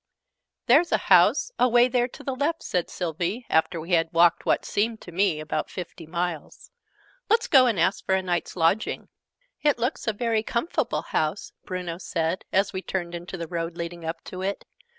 "There's a house, away there to the left," said Sylvie, after we had walked what seemed to me about fifty miles. "Let's go and ask for a night's lodging." "It looks a very comfable house," Bruno said, as we turned into the road leading up to it.